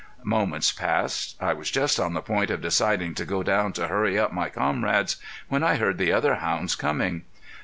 Moments passed. I was just on the point of deciding to go down to hurry up my comrades, when I heard the other hounds coming.